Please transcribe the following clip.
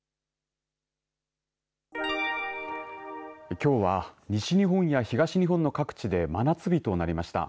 きょうは西日本や東日本の各地で真夏日となりました。